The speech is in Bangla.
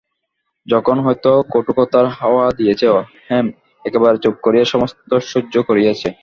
যখন হইতে কটুকথার হাওয়া দিয়াছে, হৈম একেবারে চুপ করিয়া সমস্ত সহ্য করিয়াছে।